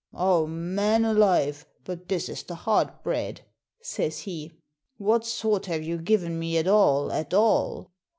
'Aw, man alive! But this is the hard bread,' says he. 'What sort have you given me at all, at all?'